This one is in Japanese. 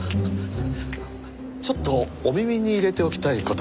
ちょっとお耳に入れておきたい事が。